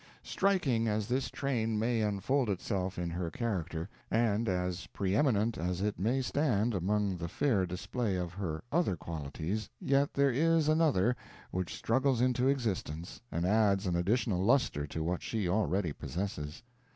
Striking as this trait may unfold itself in her character, and as pre eminent as it may stand among the fair display of her other qualities, yet there is another, which struggles into existence, and adds an additional luster to what she already possesses.